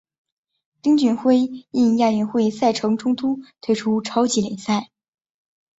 丁俊晖因亚运会赛程冲突退出超级联赛。